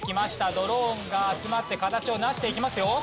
ドローンが集まって形を成していきますよ。